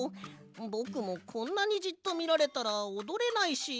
ぼくもこんなにじっとみられたらおどれないし。